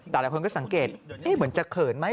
แต่ละคนก็สังเกตเอ๊ะเหมือนจะเขินไหม